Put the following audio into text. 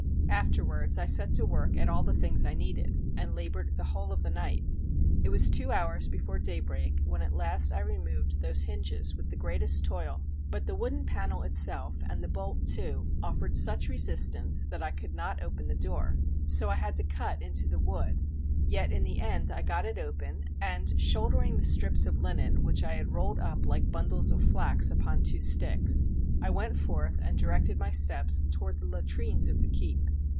Afterwards I set to work at all the things I needed, and labored the whole of the night. It was two hours before daybreak when at last I removed those hinges with the greatest toil; but the wooden panel itself, and the bolt too, offered such resistance that I could not open the door; so I had to cut into the wood; yet in the end I got it open, and shouldering the strips of linen which I had rolled up like bundles of flax upon two sticks, I went forth and directed my steps toward the latrines of the keep.